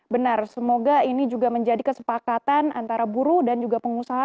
benar semoga ini juga menjadi kesepakatan antara buruh dan juga pengusaha